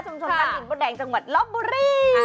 ชมชมกันหินบนแดงจังหวัดลอฟบุรี